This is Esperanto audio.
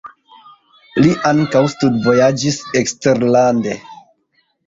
Li ankaŭ studvojaĝis eksterlande.